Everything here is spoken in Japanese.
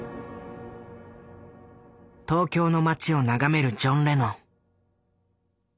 東京の街を眺めるジョン・レノン。